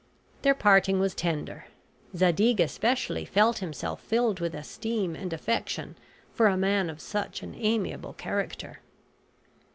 Their parting was tender; Zadig especially felt himself filled with esteem and affection for a man of such an amiable character.